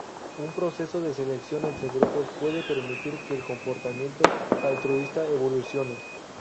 Un proceso de selección entre grupos puede permitir que el comportamiento altruista evolucione.